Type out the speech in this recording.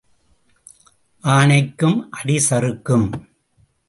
ஆனைக்கும் அடி சறுக்கும்.